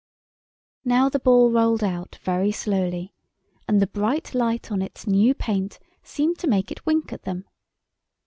Now the Ball rolled out very slowly—and the bright light on its new paint seemed to make it wink at them.